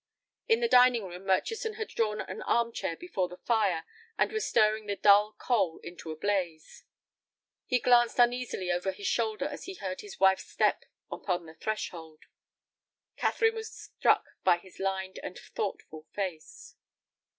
In the dining room Murchison had drawn an arm chair before the fire, and was stirring the dull coal into a blaze. He glanced uneasily over his shoulder as he heard his wife's step upon the threshold. Catherine was struck by his lined and thoughtful face.